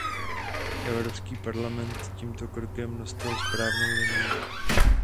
Evropský parlament tímto krokem nastolil správnou linii.